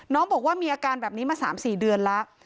น้องบอกว่ามีอาการแบบนี้มา๓๔เดือนแล้ว